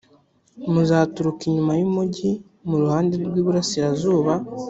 muzaturuka inyuma y’umugi, mu ruhande rw’iburasirazuba